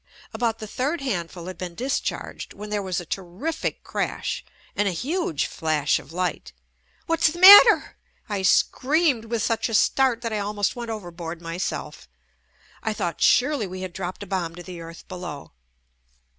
About the third handful had been discharged, when there was a terrific crash and a huge flash of light. "What's the matter?" I screamed, with such a start that I almost went overboard myself. I thought surely we had dropped a bomb to the earth be low.